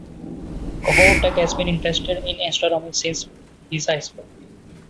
Kohoutek has been interested in astronomy since high school.